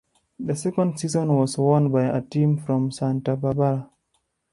The second season was won by a team from "Santa Barbara".